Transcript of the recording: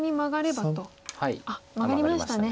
あっマガりましたね。